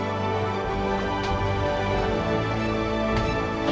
tidak ada yang mau kacau